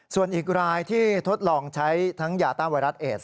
ส่วนอีกรายที่ทดลองใช้ทั้งยาต้านไวรัสเอส